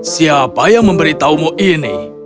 siapa yang memberitahumu ini